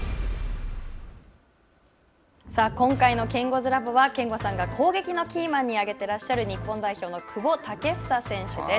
今回のケンゴズラボは憲剛さんが攻撃のキーマンが挙げていらっしゃる、日本代表の久保建英選手です。